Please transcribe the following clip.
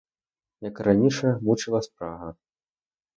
Як і раніше, мучила спрага.